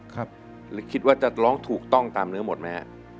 คิดว่าจะร้องถูกต้องตามเนื้อหมดมั้ยครับ